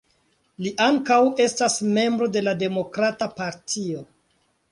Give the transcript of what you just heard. Li ankaŭ estas membro de la Demokrata Partio.